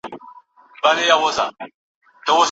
ایا د جون میاشت د رحمت شاه سایل په نوم ده؟